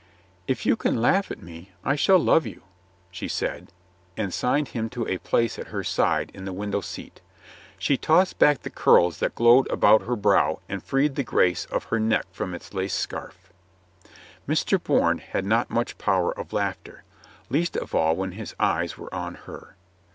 "If you can laugh at me, I shall love you," she said, and signed him to a place at her side in the window seat. She tossed back the curls that glowed about her brow and freed the grace of her neck from its lace scarf. Mr. Bourne had not much power of laughter, least of all when his eyes were on her.